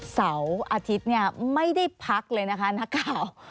เสาร์อาทิตย์เนี่ยไม่ได้พักเลยนะคะนักข่าว